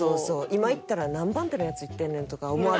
今行ったら「何番手のヤツ行ってんねん」とか思われて。